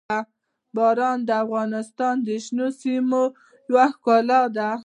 باران د افغانستان د شنو سیمو یوه ښکلا ده.